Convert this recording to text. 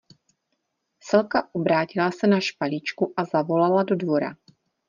Selka obrátila se na špalíčku a zavolala do dvora.